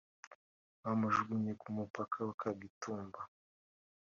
Bamujugunye ku mupaka wa Kagitumba